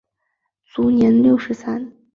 卒年六十二。